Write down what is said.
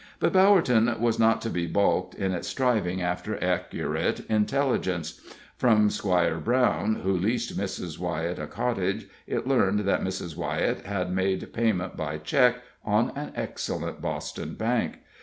But Bowerton was not to be balked in its striving after accurate intelligence. From Squire Brown, who leased Mrs. Wyett a cottage, it learned that Mrs. Wyett had made payment by check on an excellent Boston bank.